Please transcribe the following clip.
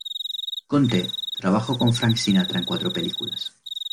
Conte trabajó con Frank Sinatra en cuatro películas.